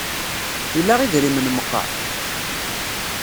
Ila idrimen meqqar?